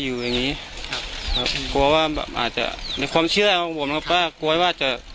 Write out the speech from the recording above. อยู่อย่างงี้ครับกลัวว่าแบบอาจจะในความเชื่อของผมครับว่ากลัวว่าจะ